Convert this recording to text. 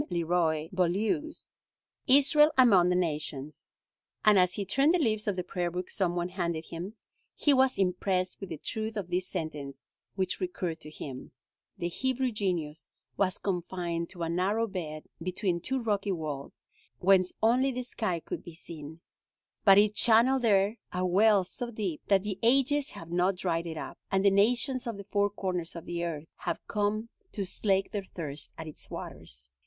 Leroy Beaulieu's, "Israel Among the Nations," and as he turned the leaves of the prayer book some one handed him, he was impressed with the truth of this sentence which recurred to him: "The Hebrew genius was confined to a narrow bed between two rocky walls, whence only the sky could be seen; but it channeled there a well so deep that the ages have not dried it up, and the nations of the four corners of the earth have come to slake their thirst at its waters."